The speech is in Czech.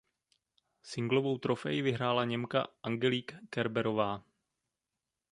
Singlovou trofej vyhrála Němka Angelique Kerberová.